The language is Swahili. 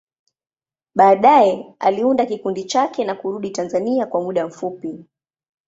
Baadaye, aliunda kikundi chake na kurudi Tanzania kwa muda mfupi.